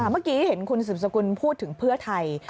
เมื่อกี้เห็นคุณสืบสกุลพูดถึงเพื่อไทย